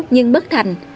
nhưng bất thành